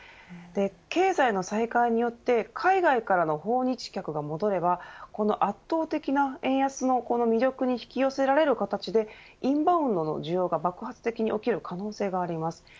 経済の再開によって海外からの訪日客が戻ればこの圧倒的な円安の魅力に引き寄せられる形でインバウンドの需要が爆発的に起きる可能性があります。